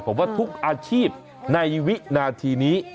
ผมว่าทุกอาชีพในวินาทีนี้